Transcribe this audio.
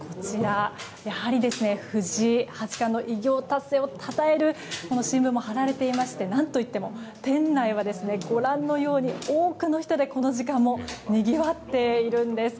藤井八冠の偉業達成をたたえる新聞も貼られていまして何といっても店内はご覧のように多くの人でこの時間もにぎわっているんです。